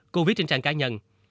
cô viết trên trang cá nhân